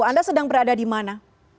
anda sedang berada di mana